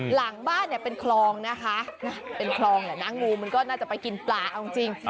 หลังบ้านเนี่ยเป็นคลองนะคะเป็นคลองแหละนะงูมันก็น่าจะไปกินปลาเอาจริง